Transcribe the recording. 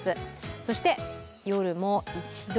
そして夜も１度。